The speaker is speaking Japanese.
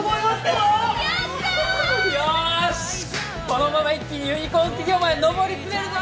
このまま一気にユニコーン企業まで上り詰めるぞ！